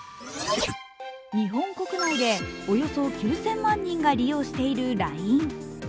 日本国内でおよそ９０００万人が利用しているＬＩＮＥ。